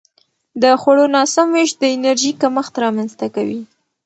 د خوړو ناسم وېش د انرژي کمښت رامنځته کوي.